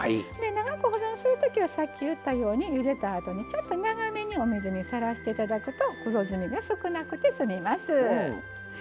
長く保存する時はさっき言ったようにゆでたあとにちょっと長めにお水にさらして頂くと黒ずみが少なくて済みます。